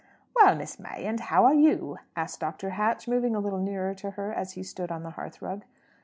"Well, Miss May, and how are you?" asked Dr. Hatch, moving a little nearer to her, as he stood on the hearthrug.